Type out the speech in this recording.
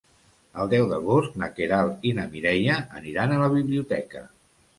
El deu d'agost na Queralt i na Mireia aniran a la biblioteca.